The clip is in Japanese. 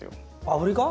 アフリカ？